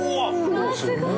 すごい！